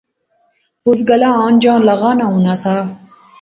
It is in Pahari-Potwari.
اسے گلاہ آن جان لغا نا ہونا سا